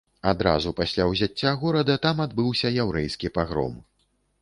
Адразу пасля ўзяцця горада там адбыўся яўрэйскі пагром.